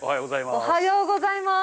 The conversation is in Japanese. おはようございます。